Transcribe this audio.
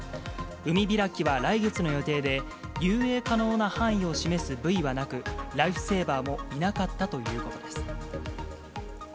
海開きは来月の予定で、遊泳可能な範囲を示すブイはなく、ライフセーバーもいなかったということです。